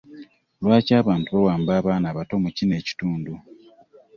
Lwaki abantu bawamba abaana abato mu kino ekitundu?